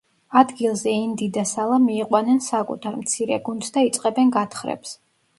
ადგილზე ინდი და სალა მიიყვანენ საკუთარ, მცირე გუნდს და იწყებენ გათხრებს.